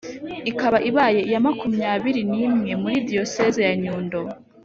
ikaba ibaye iya makumyabiri n’imwe muri diyosezi ya nyundo